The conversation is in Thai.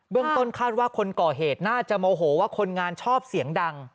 ต้นคาดว่าคนก่อเหตุน่าจะโมโหว่าคนงานชอบเสียงดัง